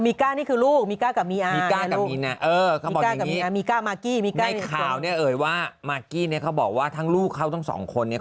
มีก้ามากกี้ในข่าวเนี่ยเอ๋ยว่ามากกี้เนี่ยเขาบอกว่าทั้งลูกเขาต้องสองคนเนี่ย